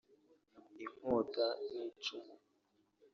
inkota n’icumu